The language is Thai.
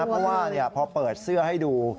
เพราะว่าพอเปิดเสื้อให้ดู